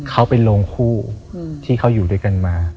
เขาเป็นโรงคู่ที่เขาอยู่ด้วยกันมา